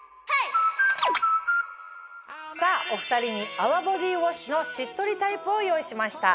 さぁお２人に泡ボディウォッシュのしっとりタイプを用意しました。